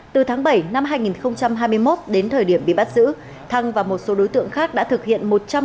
từ tháng bảy năm hai nghìn hai mươi một đến thời điểm bị bắt giữ thăng và một số đối tượng khác đã thực hiện